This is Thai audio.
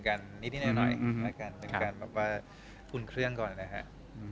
การนิดหน่อยกับการปฎินเครื่องก่อนนะครับ